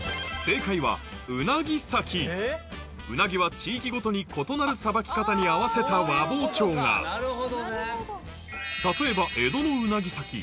鰻は地域ごとに異なるさばき方に合わせた和包丁が例えば江戸の鰻裂き